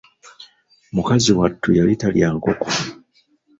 Mukazi wattu yali talya nkoko.